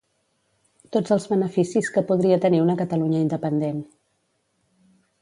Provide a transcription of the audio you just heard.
Tots els beneficis que podria tenir una Catalunya independent.